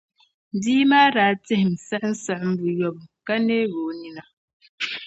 bia maa daa tihim siɣimsiɣim buyopɔin, ka neeg’ o nina.